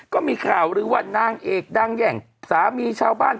ก็มีข่าวหรือว่านางเอกดังอย่างสามีชาวบ้าน